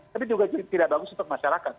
tapi juga tidak bagus untuk masyarakat